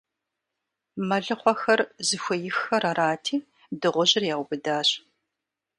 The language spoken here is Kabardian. Мэлыхъуэхэр зыхуейххэр арати, дыгъужьыр яубыдащ.